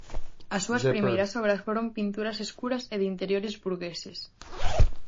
As súas primeiras obras foron pinturas escuras e de interiores burgueses.